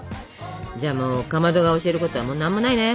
じゃあかまどが教えることはもう何もないね！